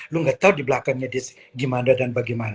lo gak tau dibelakangnya gimana dan bagaimana